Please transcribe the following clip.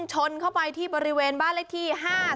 ชนเข้าไปที่บริเวณบ้านเลขที่๕๐